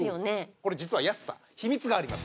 これ実は安さ秘密があります。